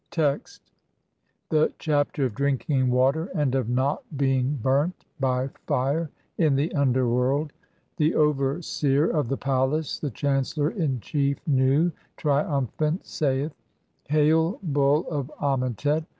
Text : (i) The Chapter of drinking water and of not BEING BURNT (2) BY FIRE [IN THE UNDERWORLD]. The over seer of the palace, the chancellor in chief, Nu, triumphant, saith :— "Hail, Bull of Amentet !